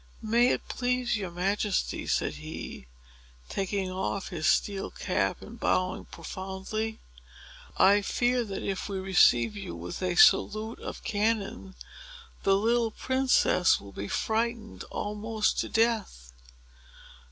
"May it please your Majesty," said he, taking off his steel cap and bowing profoundly, "I fear that if we receive you with a salute of cannon, the little princess will be frightened almost to death."